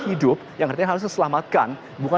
hidup yang artinya harus diselamatkan bukan